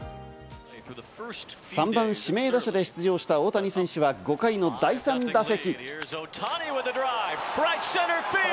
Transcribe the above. ３番、指名打者で出場した大谷選手は５回の第３打席。